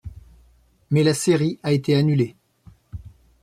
Mais la série a été annulée.